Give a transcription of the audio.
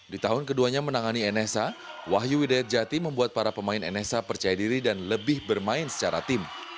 di tahun keduanya menangani nsa wahyu widayat jati membuat para pemain nsa percaya diri dan lebih bermain secara tim